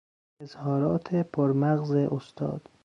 اظهارات پر مغز استاد